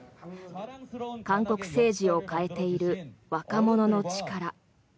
韓国政治を変えている若者の力。